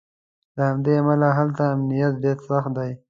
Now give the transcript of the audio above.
له همدې امله هلته امنیت ډېر سخت دی.